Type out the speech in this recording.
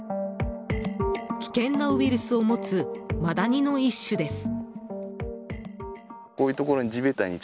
危険なウイルスを持つマダニの一種です。